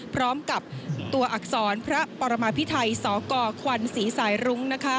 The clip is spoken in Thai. พร้อมกับตัวอักษรพระปรมาพิไทยสกควันศรีสายรุ้ง